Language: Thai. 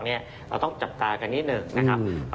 เราต้องจับตากันนิดหนึ่งนะครับ